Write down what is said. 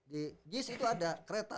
di jis itu ada kereta